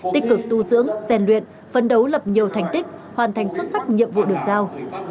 tích cực tu dưỡng rèn luyện phấn đấu lập nhiều thành tích hoàn thành xuất sắc nhiệm vụ được giao